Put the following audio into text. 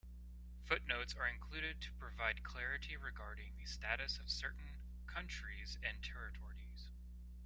Footnotes are included to provide clarity regarding the status of certain countries and territories.